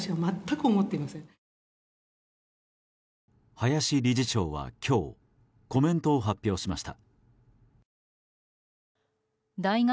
林理事長は今日コメントを発表しました。